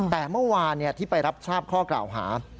แต่เมื่อวานที่ไปรับทราบข้อกล่าวหา